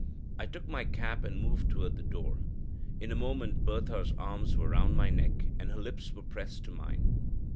I took my cap and moved toward the door; in a moment Bertha's arms were round my neck, and her lips were pressed to mine.